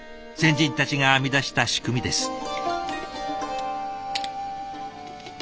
先人たちが編み出した仕組みです。